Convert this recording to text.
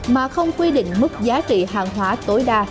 mà không quy định mức giá trị hàng hóa tối đa